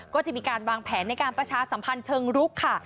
ก็จะมีการวางแผนในการประชาสัมพันธ์เชิงรุกค่ะ